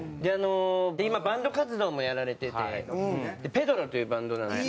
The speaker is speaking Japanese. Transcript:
今バンド活動もやられててＰＥＤＲＯというバンドなんです。